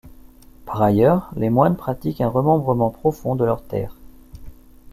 Par ailleurs, les moines pratiquent un remembrement profond de leurs terres.